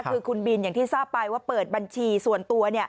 คือคุณบินอย่างที่ทราบไปว่าเปิดบัญชีส่วนตัว